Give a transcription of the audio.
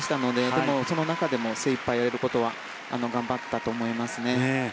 でも、その中でも精いっぱいやることは頑張ったと思いますね。